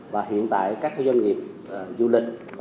và hiện tại các doanh nghiệp du lịch